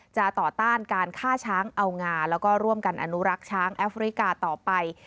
ต่อต้านการฆ่าช้างเอางาแล้วก็ร่วมกันอนุรักษ์ช้างแอฟริกาต่อไป